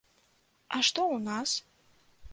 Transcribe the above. А што у нас?